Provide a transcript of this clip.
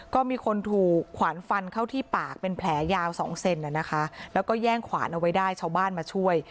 ก็มีคนถูกขวานฟันเข้าที่ปากเป็นแผลยาวสองเซนนะคะแล้วก็แย่งขวานเอาไว้ได้ชาวบ้านมาช่วย